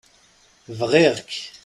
Bɣiɣ-k.